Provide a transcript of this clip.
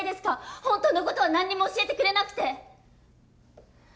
ホントのことは何にも教えてくれなくて！